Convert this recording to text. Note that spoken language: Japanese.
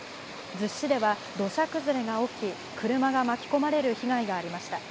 逗子市では土砂崩れが起き、車が巻き込まれる被害がありました。